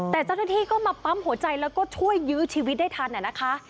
แต่เจ้าหน้าที่ก็มาปั๊มหัวใจแล้วก็ช่วยยื้อชีวิตได้ทันนะคะ